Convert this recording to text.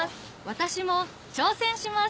私も挑戦します